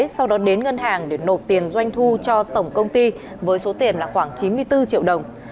sau đó đến ngân hàng để nộp tiền doanh thu cho tổng công ty với số tiền là khoảng chín mươi bốn triệu đồng